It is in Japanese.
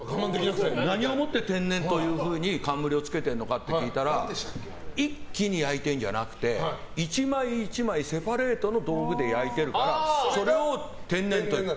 何をもって天然と冠をつけてるのかと聞いたら一気に焼いてるんじゃなくて１枚１枚セパレートの道具で焼いてるからそれを天然と呼ぶ。